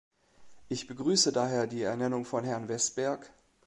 Ich begrüße daher die Ernennung von Herrn Wessberg.